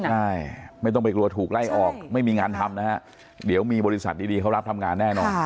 ใช่ไม่ต้องไปกลัวถูกไล่ออกไม่มีงานทำนะฮะเดี๋ยวมีบริษัทดีเขารับทำงานแน่นอน